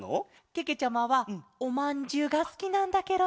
けけちゃまはおまんじゅうがすきなんだケロ。